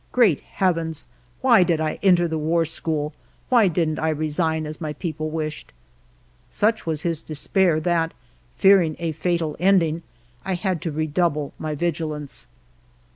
Great heavens ! Why did I enter the War School ? Why did n't I re sign, as my people wished ?" Such was his despair that, fearing a fatal ending, I had to redouble my vigilance.